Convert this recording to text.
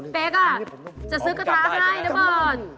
เป๊กจะซื้อกระทะให้นะบอล